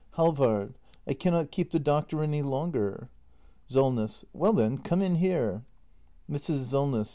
] Halvard, I cannot keep the doctor any longer. Solness. Well then, come in here. Mrs. Solness.